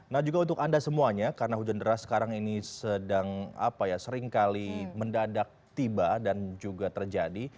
nah juga untuk anda semuanya karena hujan deras sekarang ini seringkali mendadak tiba dan juga terjadi